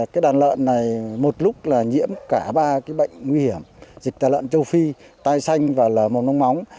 cái đàn lợn này một lúc là nhiễm cả ba cái bệnh nguy hiểm dịch tà lợn châu phi tai xanh và lở mồm nông móng